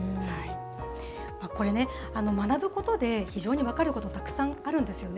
これね、学ぶことで非常に分かること、たくさんあるんですよね。